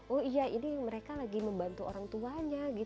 oh iya ini mereka lagi membantu orang tuanya